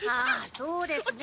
そうですね！